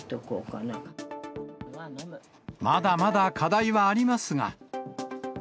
まだまだ課題はありますが。